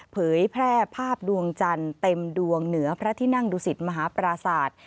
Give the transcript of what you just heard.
เผยแพร่ภาพดวงจันทร์เต็มดวงเหนือพระที่นั่งดุสิตมหาปราศาสตร์